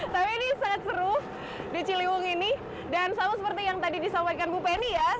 tapi ini sangat seru di ciliwung ini dan sama seperti yang tadi disampaikan bu penny ya